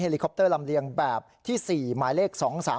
ลิคอปเตอร์ลำเลียงแบบที่๔หมายเลข๒๓๓